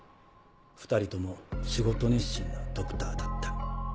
２人とも仕事熱心なドクターだった。